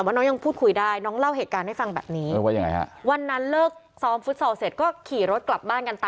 หายดินยิ่งท่านครับ